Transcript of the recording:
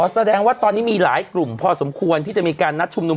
แสดงว่าตอนนี้มีหลายกลุ่มพอสมควรที่จะมีการนัดชุมนุม